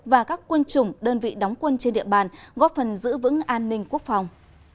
và các quân chủng đơn vị đóng quân trên địa bàn góp phần giữ vững an ninh quốc phòng